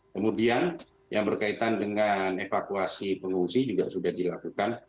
kemudian yang berkaitan dengan evakuasi pengungsi juga sudah dilakukan